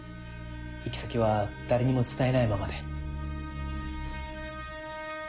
行き先は誰にも伝えないままで。